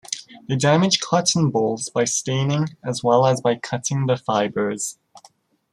They damage cotton bolls by staining as well as by cutting the fibres.